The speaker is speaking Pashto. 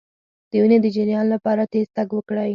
د وینې د جریان لپاره تېز تګ وکړئ